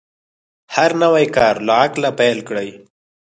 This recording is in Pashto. هر نوی کار له عقله پیل کړئ.